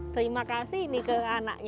terima kasih ini ke anaknya